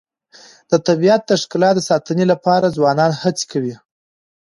د طبیعت د ښکلا د ساتنې لپاره ځوانان هڅې کوي.